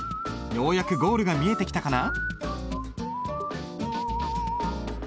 ようやくゴールが見えてきたかな？